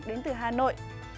đến từ hà nội